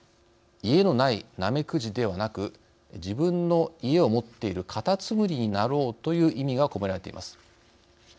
家のないナメクジではなく自分の家を持っているカタツムリになろうという意味が込められています。